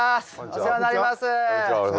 お世話になります。